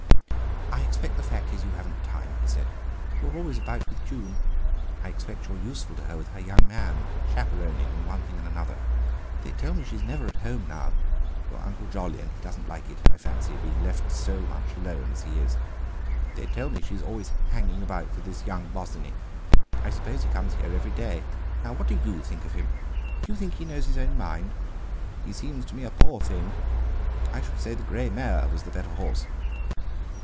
"I expect the fact is, you haven't time," he said; "You're always about with June. I expect you're useful to her with her young man, chaperoning, and one thing and another. They tell me she's never at home now; your Uncle Jolyon he doesn't like it, I fancy, being left so much alone as he is. They tell me she's always hanging about for this young Bosinney; I suppose he comes here every day. Now, what do you think of him? D'you think he knows his own mind? He seems to me a poor thing. I should say the grey mare was the better horse!"